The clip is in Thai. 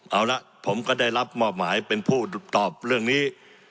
เอาละผมก็ได้รับมอบหมายเป็นผู้ตอบเรื่องนี้